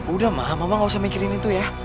udah mah mama gak usah mikirin itu ya